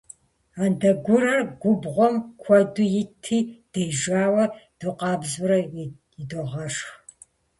Андэгурэр губгъуэм куэду итти, дежауэ дукъэбзурэ идогъэшх.